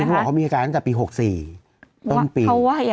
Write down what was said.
คุณพูดว่าเขามีอาการตั้งแต่ปี๖๔ต้นปี